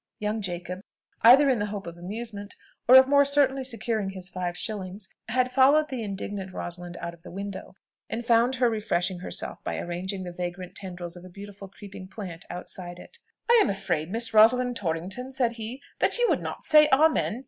Young Jacob, either in the hope of amusement, or of more certainly securing his five shillings, had followed the indignant Rosalind out of the window, and found her refreshing herself by arranging the vagrant tendrils of a beautiful creeping plant outside it. "I am afraid, Miss Rosalind Torrington," said he, "that you would not say Amen!